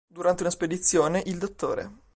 Durante una spedizione il dott.